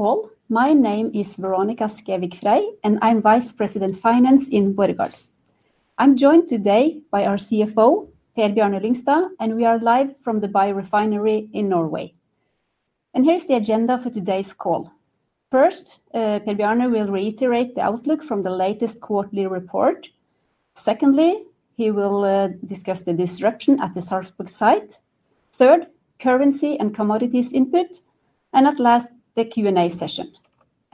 All, my name is Veronica Skevik Frey, and I'm Vice President Finance in Borregaard. I'm joined today by our CFO, Per Bjarne Lyngstad, and we are live from the biorefinery in Norway. Here's the agenda for today's call. First, Per Bjarne will reiterate the outlook from the latest quarterly report. Secondly, he will discuss the disruption at the Sarpsborg site. Third, currency and commodities input. At last, the Q&A session.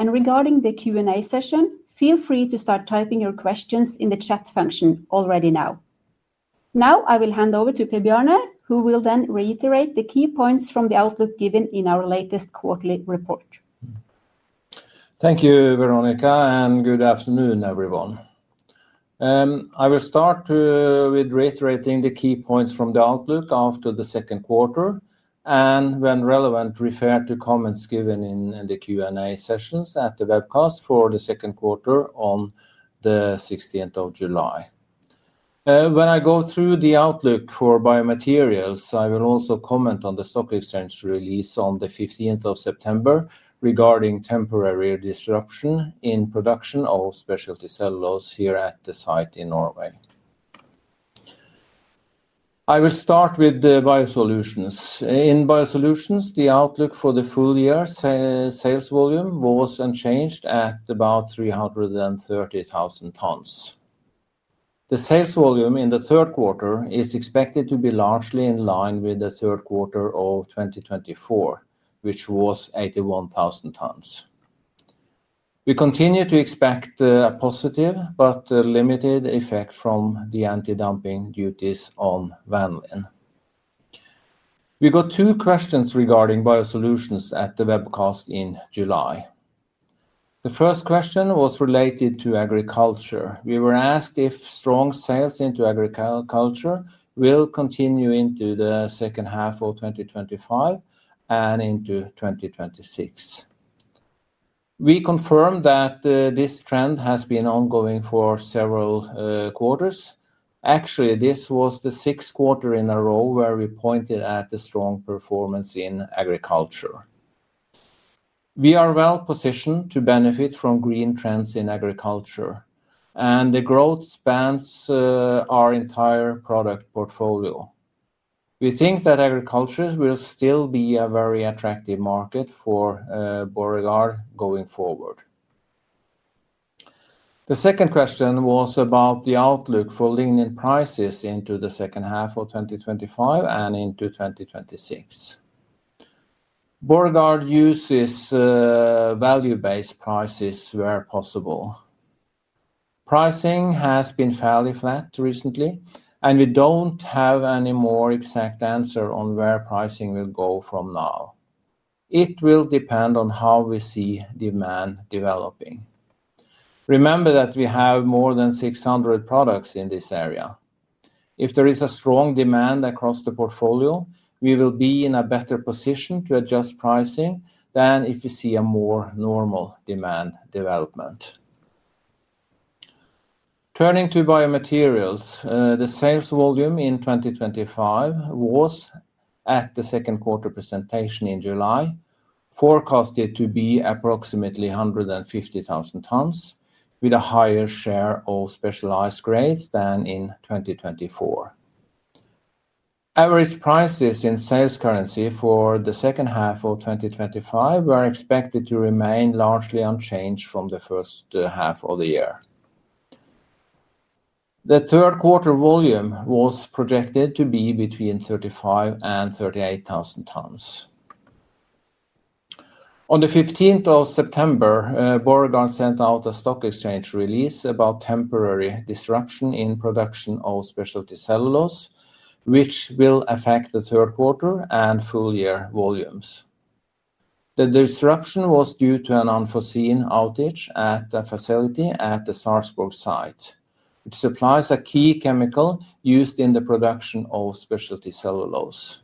Regarding the Q&A session, feel free to start typing your questions in the chat function already now. I will hand over to Per Bjarne, who will then reiterate the key points from the outlook given in our latest quarterly report. Thank you, Veronica, and good afternoon, everyone. I will start with reiterating the key points from the outlook after the second quarter, and when relevant, refer to comments given in the Q&A sessions at the webcast for the second quarter on the 16th of July. When I go through the outlook for BioMaterials, I will also comment on the stock exchange release on the 15th of September regarding temporary disruption in production of specialty cellulose here at the site in Norway. I will start with the BioSolutions. In BioSolutions, the outlook for the full year's sales volume was unchanged at about 330,000 tons. The sales volume in the third quarter is expected to be largely in line with the third quarter of 2024, which was 81,000 tons. We continue to expect a positive but limited effect from the anti-dumping duties on vanillin. We got two questions regarding BioSolutions at the webcast in July. The first question was related to agriculture. We were asked if strong sales into agriculture will continue into the second half of 2025 and into 2026. We confirmed that this trend has been ongoing for several quarters. Actually, this was the sixth quarter in a row where we pointed at a strong performance in agriculture. We are well positioned to benefit from green trends in agriculture, and the growth spans our entire product portfolio. We think that agriculture will still be a very attractive market for Borregaard going forward. The second question was about the outlook for lignin prices into the second half of 2025 and into 2026. Borregaard uses value-based prices where possible. Pricing has been fairly flat recently, and we don't have any more exact answer on where pricing will go from now. It will depend on how we see demand developing. Remember that we have more than 600 products in this area. If there is a strong demand across the portfolio, we will be in a better position to adjust pricing than if we see a more normal demand development. Turning to BioMaterials, the sales volume in 2025 was, at the second quarter presentation in July, forecasted to be approximately 150,000 tons, with a higher share of specialized grades than in 2024. Average prices in sales currency for the second half of 2025 were expected to remain largely unchanged from the first half of the year. The third quarter volume was projected to be between 35,000 and 38,000 tons. On the 15th of September, Borregaard sent out a stock exchange release about temporary disruption in production of specialty cellulose, which will affect the third quarter and full-year volumes. The disruption was due to an unforeseen outage at a facility at the Sarpsborg site, which supplies a key chemical used in the production of specialty cellulose.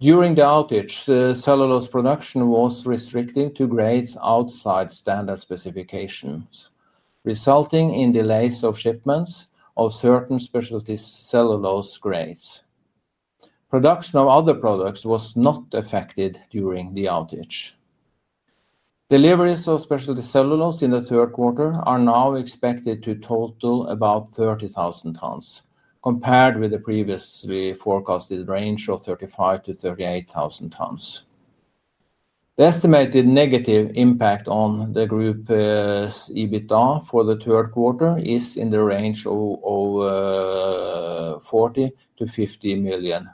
During the outage, cellulose production was restricted to grades outside standard specifications, resulting in delays of shipments of certain specialty cellulose grades. Production of other products was not affected during the outage. Deliveries of specialty cellulose in the third quarter are now expected to total about 30,000 tons, compared with the previously forecasted range of 35,000 to 38,000 tons. The estimated negative impact on the group's EBITDA for the third quarter is in the range of 40 to 50 million.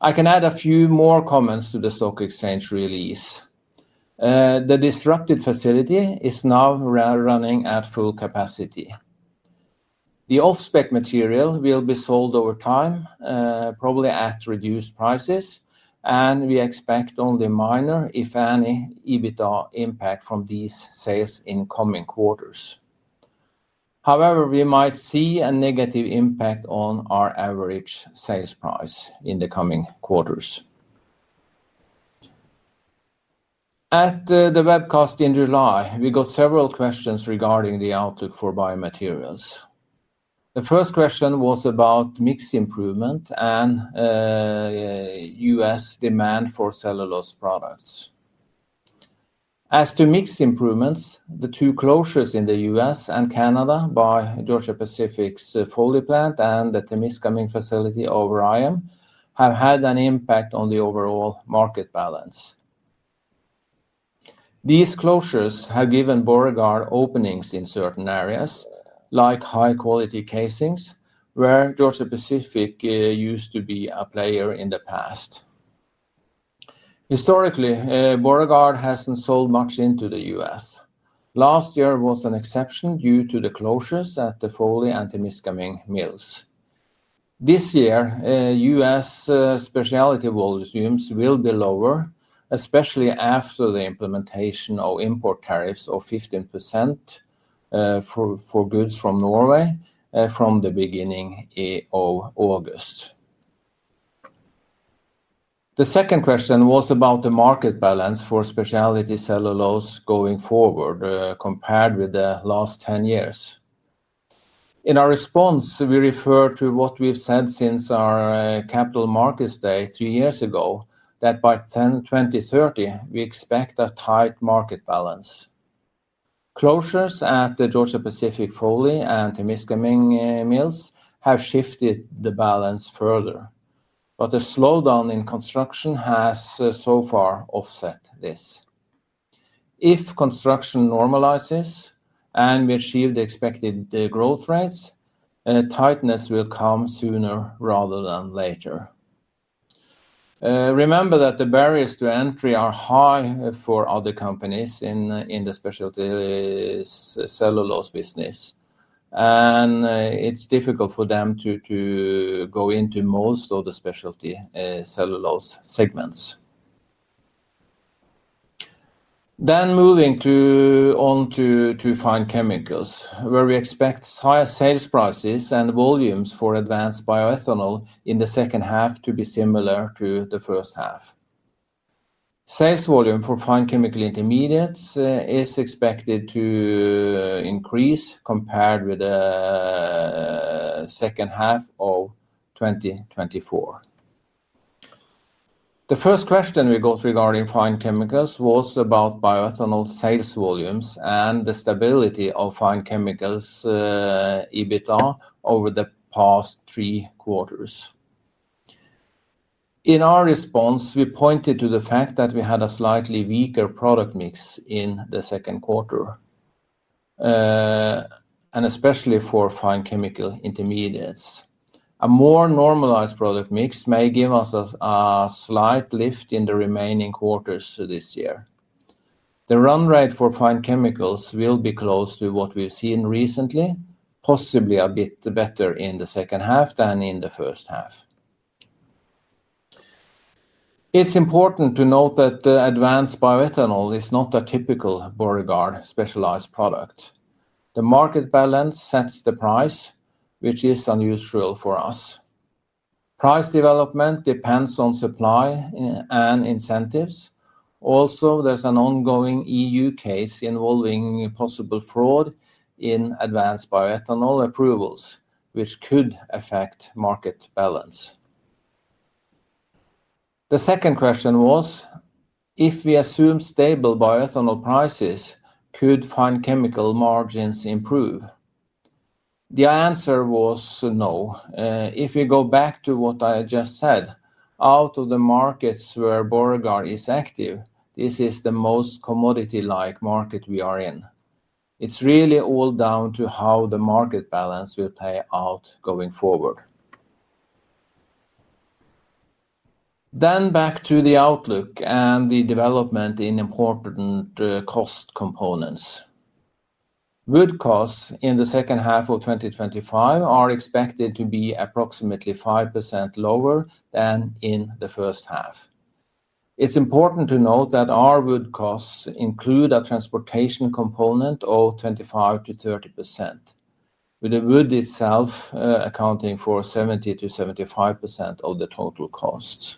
I can add a few more comments to the stock exchange release. The disrupted facility is now running at full capacity. The off-spec material will be sold over time, probably at reduced prices, and we expect only minor, if any, EBITDA impact from these sales in coming quarters. However, we might see a negative impact on our average sales price in the coming quarters. At the webcast in July, we got several questions regarding the outlook for BioMaterials. The first question was about mix improvement and U.S. demand for cellulose products. As to mix improvements, the two closures in the U.S. and Canada by Georgia-Pacific's Foley plant and the Temiscaming facility of RYAM have had an impact on the overall market balance. These closures have given Borregaard openings in certain areas, like high-quality casings, where Georgia-Pacific used to be a player in the past. Historically, Borregaard hasn't sold much into the U.S. Last year was an exception due to the closures at the Foley and Temiscaming mills. This year, U.S. specialty volumes will be lower, especially after the implementation of import tariffs of 15% for goods from Norway from the beginning of August. The second question was about the market balance for specialty cellulose going forward compared with the last 10 years. In our response, we refer to what we've said since our capital markets day two years ago, that by 2030, we expect a tight market balance. Closures at the Georgia-Pacific Foley and Temiscaming mills have shifted the balance further, but a slowdown in construction has so far offset this. If construction normalizes and we achieve the expected growth rates, tightness will come sooner rather than later. Remember that the barriers to entry are high for other companies in the specialty cellulose business, and it's difficult for them to go into most of the specialty cellulose segments. Moving on to Fine Chemicals, where we expect higher sales prices and volumes for advanced bioethanol in the second half to be similar to the first half. Sales volume for fine chemical intermediates is expected to increase compared with the second half of 2024. The first question we got regarding Fine Chemicals was about bioethanol sales volumes and the stability of Fine Chemicals' EBITDA over the past three quarters. In our response, we pointed to the fact that we had a slightly weaker product mix in the second quarter, especially for fine chemical intermediates. A more normalized product mix may give us a slight lift in the remaining quarters this year. The run rate for Fine Chemicals will be close to what we've seen recently, possibly a bit better in the second half than in the first half. It's important to note that advanced bioethanol is not a typical Borregaard specialized product. The market balance sets the price, which is unusual for us. Price development depends on supply and incentives. Also, there's an ongoing EU case involving possible fraud in advanced bioethanol approvals, which could affect market balance. The second question was, if we assume stable bioethanol prices, could Fine Chemicals margins improve? The answer was no. If we go back to what I just said, out of the markets where Borregaard is active, this is the most commodity-like market we are in. It's really all down to how the market balance will play out going forward. Back to the outlook and the development in important cost components. Wood costs in the second half of 2025 are expected to be approximately 5% lower than in the first half. It's important to note that our wood costs include a transportation component of 25% to 30%, with the wood itself accounting for 70% to 75% of the total costs.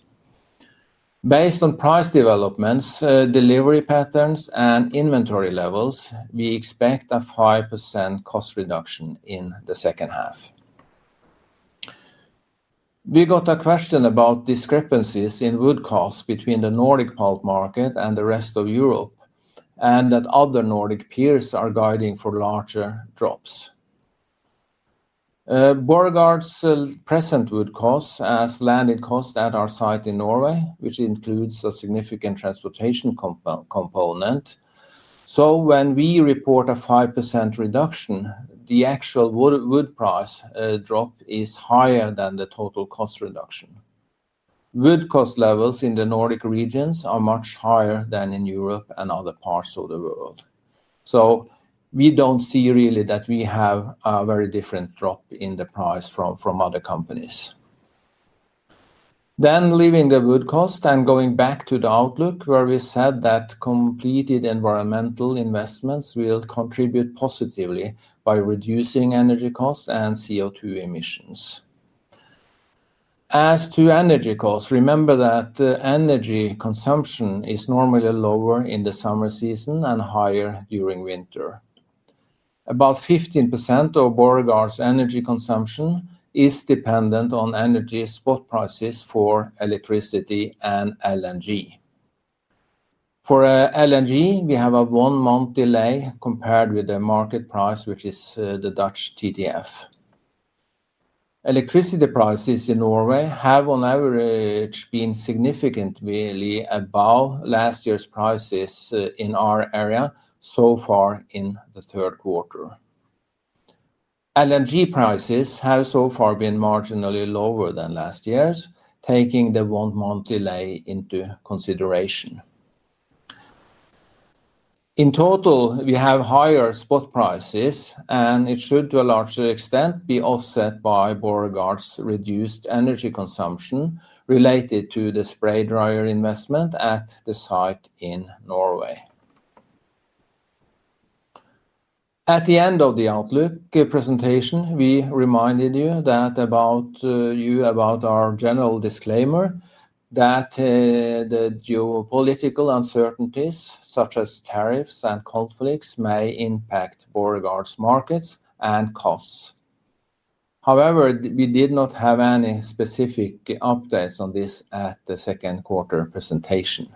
Based on price developments, delivery patterns, and inventory levels, we expect a 5% cost reduction in the second half. We got a question about discrepancies in wood costs between the Nordic pulp market and the rest of Europe, and that other Nordic peers are guiding for larger drops. Borregaard's present wood cost has landed cost at our site in Norway, which includes a significant transportation component. When we report a 5% reduction, the actual wood price drop is higher than the total cost reduction. Wood cost levels in the Nordic regions are much higher than in Europe and other parts of the world. We don't see really that we have a very different drop in the price from other companies. Leaving the wood cost and going back to the outlook, we said that completed environmental investments will contribute positively by reducing energy costs and CO₂ emissions. As to energy costs, remember that energy consumption is normally lower in the summer season and higher during winter. About 15% of Borregaard's energy consumption is dependent on energy spot prices for electricity and LNG. For LNG, we have a one-month delay compared with the market price, which is the Dutch TTF. Electricity prices in Norway have on average been significantly above last year's prices in our area so far in the third quarter. LNG prices have so far been marginally lower than last year's, taking the one-month delay into consideration. In total, we have higher spot prices, and it should to a larger extent be offset by Borregaard's reduced energy consumption related to the spray dryer investment at the site in Norway. At the end of the outlook presentation, we reminded you about our general disclaimer that the geopolitical uncertainties, such as tariffs and conflicts, may impact Borregaard's markets and costs. However, we did not have any specific updates on this at the second quarter presentation.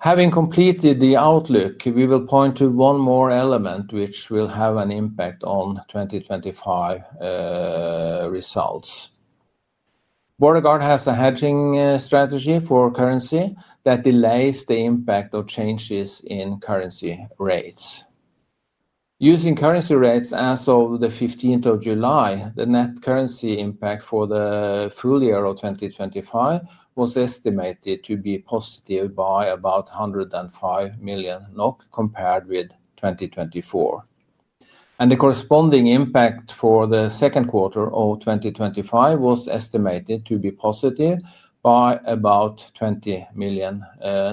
Having completed the outlook, we will point to one more element which will have an impact on 2025 results. Borregaard has a hedging strategy for currency that delays the impact of changes in currency rates. Using currency rates as of the 15th of July, the net currency impact for the full year of 2025 was estimated to be positive by about 105 million NOK compared with 2024. The corresponding impact for the second quarter of 2025 was estimated to be positive by about 20 million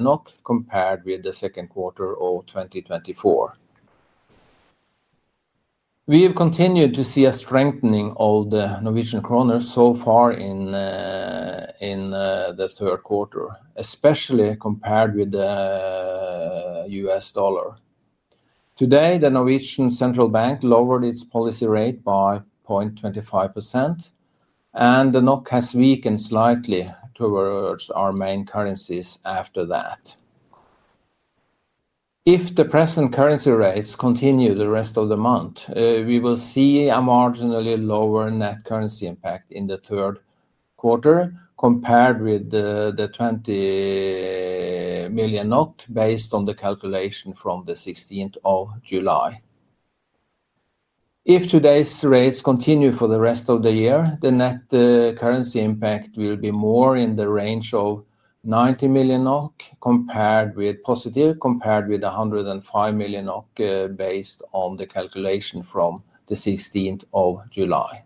NOK compared with the second quarter of 2024. We've continued to see a strengthening of the Norwegian kroner so far in the third quarter, especially compared with the U.S. dollar. Today, the Norwegian central bank lowered its policy rate by 0.25%, and the NOK has weakened slightly towards our main currencies after that. If the present currency rates continue the rest of the month, we will see a marginally lower net currency impact in the third quarter compared with the 20 million NOK based on the calculation from the 16th of July. If today's rates continue for the rest of the year, the net currency impact will be more in the range of 90 million NOK compared with positive 105 million NOK based on the calculation from the 16th of July.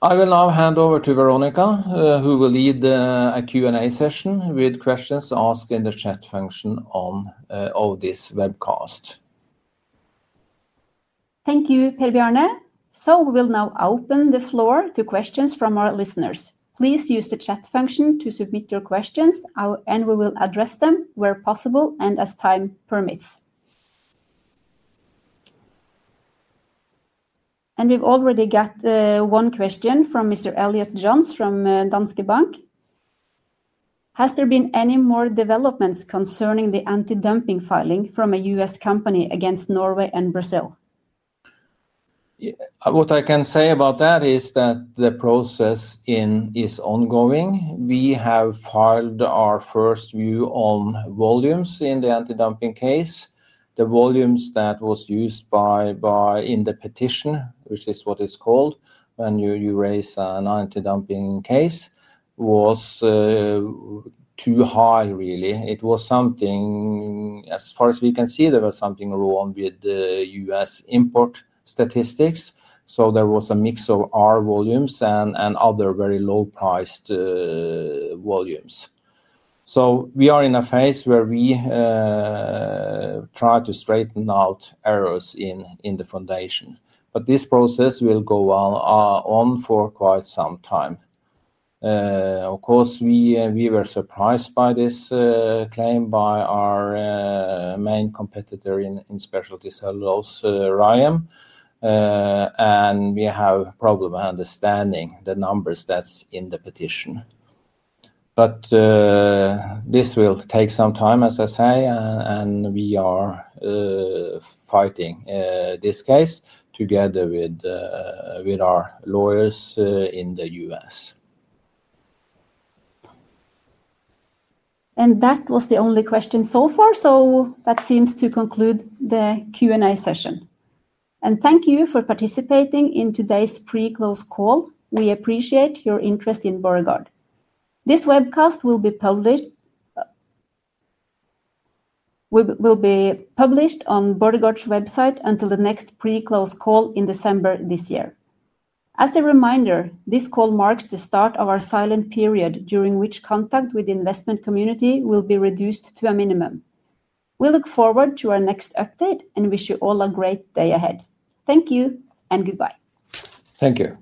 I will now hand over to Veronica, who will lead a Q&A session with questions asked in the chat function of this webcast. Thank you, Per Bjarne. We will now open the floor to questions from our listeners. Please use the chat function to submit your questions, and we will address them where possible and as time permits. We have already got one question from Mr. Elliot Johns from Danske Bank. Has there been any more developments concerning the anti-dumping filing from a U.S. company against Norway and Brazil? What I can say about that is that the process is ongoing. We have filed our first view on volumes in the anti-dumping case. The volumes that were used in the petition, which is what it's called when you raise an anti-dumping case, were too high, really. It was something, as far as we can see, there was something wrong with the U.S. import statistics. There was a mix of our volumes and other very low-priced volumes. We are in a phase where we try to straighten out errors in the foundation. This process will go on for quite some time. Of course, we were surprised by this claim by our main competitor in specialty cellulose, RYAM, and we have a problem understanding the numbers that are in the petition. This will take some time, as I say, and we are fighting this case together with our lawyers in the U.S. That was the only question so far, so that seems to conclude the Q&A session. Thank you for participating in today's pre-close call. We appreciate your interest in Borregaard. This webcast will be published on Borregaard's website until the next pre-close call in December this year. As a reminder, this call marks the start of our silent period during which contact with the investment community will be reduced to a minimum. We look forward to our next update and wish you all a great day ahead. Thank you and goodbye. Thank you.